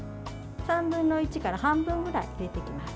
３分の１から半分ぐらい入れていきます。